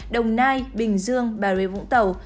đồng nai bình dương bà rê vũng tẩu